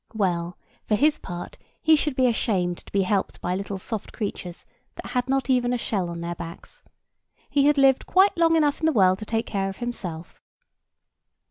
Well, for his part, he should be ashamed to be helped by little soft creatures that had not even a shell on their backs. He had lived quite long enough in the world to take care of himself.